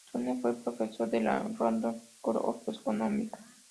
Turner fue profesor de la London School of Economics.